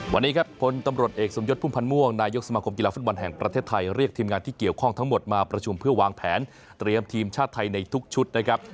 วันนี้ครับพลตำรวจเอกสมยศพุ่มพันธ์ม่วงนายกสมาคมกีฬาฟุตบอลแห่งประเทศไทยเรียกทีมงานที่เกี่ยวข้องทั้งหมดมาประชุมเพื่อวางแผนเตรียมทีมชาติไทยในทุกชุดนะครับ